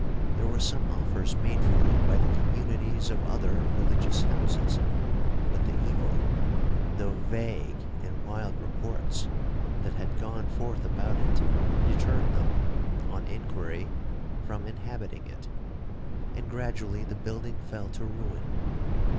There were some offers made for it by the communities of other religious houses, but the evil, though vague and wild reports, that had gone forth about it, deterred them, on inquiry, from inhabiting it,—and gradually the building fell to ruin.